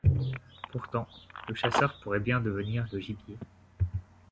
Pourtant, le chasseur pourrait bien devenir le gibier.